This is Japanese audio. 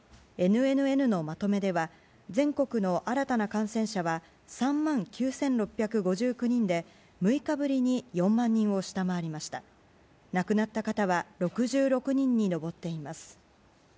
ＮＮＮのまとめでは全国の新たな感染者は３万９６５９人で６日ぶりに４万人を下回りました。